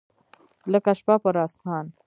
لکه شپه پر اسمان